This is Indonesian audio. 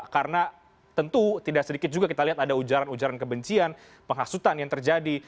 karena tentu tidak sedikit juga kita lihat ada ujaran ujaran kebencian penghasutan yang terjadi